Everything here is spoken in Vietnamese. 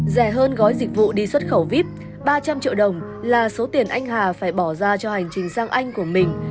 rẻ hơn gói dịch vụ đi xuất khẩu vip ba trăm linh triệu đồng là số tiền anh hà phải bỏ ra cho hành trình sang anh của mình